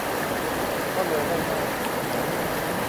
ก็เลยได้นั่ง